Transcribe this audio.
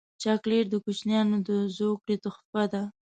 چاکلېټ د کوچنیانو د زوکړې تحفه ده.